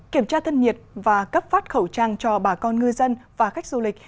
kiểm tra thân nhiệt và cấp phát khẩu trang cho bà con ngư dân và khách du lịch